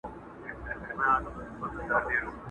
كله كله به ښكار پاته تر مابين سو!.